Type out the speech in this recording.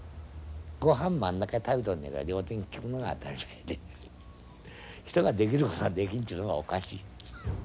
ごはん真ん中で食べとんじゃから両手がきくのが当たり前で人ができることができんちゅうのがおかしい。